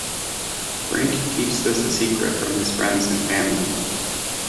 Brink keeps this a secret from his friends and family.